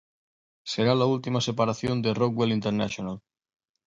Será la última separación de Rockwell International.